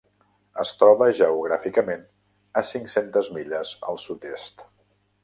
Es troba geogràficament a cinc-centes milles al sud-est.